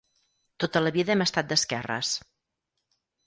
Tota la vida hem estat d'esquerres.